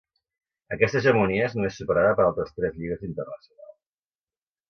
Aquesta hegemonia és només superada per altres tres lligues internacionals.